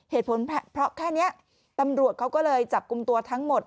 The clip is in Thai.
เหตุผลเพราะแค่นี้ตำรวจเขาก็เลยจับกลุ่มตัวทั้งหมด